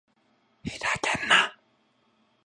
ふざけんな！